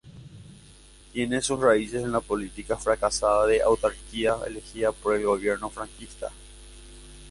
Tiene sus raíces en la política fracasada de autarquía elegida por el gobierno franquista.